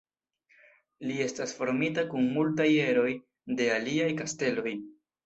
Li estas formita kun multaj eroj de aliaj kasteloj.